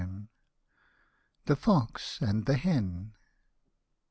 THE FOX AND THE HEN.